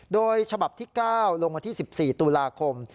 โดยฉบับที่๙ลงวันที่๑๔ตุลาคม